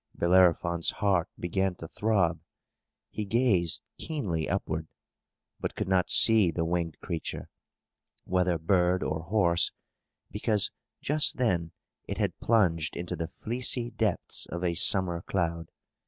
Bellerophon's heart began to throb! He gazed keenly upward, but could not see the winged creature, whether bird or horse; because, just then, it had plunged into the fleecy depths of a summer cloud.